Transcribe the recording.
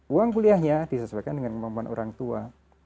uang kuliahnya disesuaikan dengan kemampuan orang tua